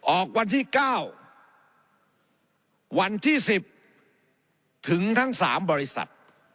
วันที่๙วันที่๑๐ถึงทั้ง๓บริษัท